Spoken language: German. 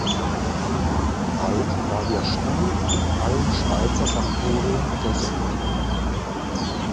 Bald war der Stuhl in allen Schweizer Sanatorien präsent.